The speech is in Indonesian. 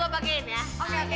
gue pegangin dong ya